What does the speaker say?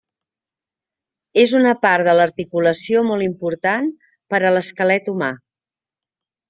És una part de l'articulació molt important per a l'esquelet humà.